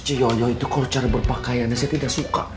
ciyoyo itu kalau cara berpakaiannya saya tidak suka